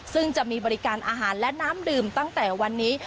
ซึ่งจะมีบริการอาหารและน้ำดื่มตั้งแต่วันนี้